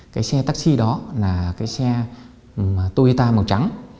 cái xe taxi đó là cái xe toyta màu trắng